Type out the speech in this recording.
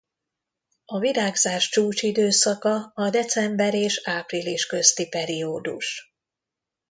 A virágzás csúcsidőszaka a december és április közti periódus.